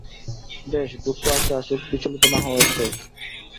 বেশ, দুঃখ আসে আসুক, বিচলিত না হওয়াই শ্রেয়।